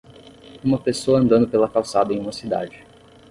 Uma pessoa andando pela calçada em uma cidade.